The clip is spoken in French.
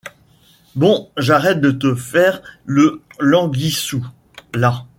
Bon j’arrête de te faire le languissou, là…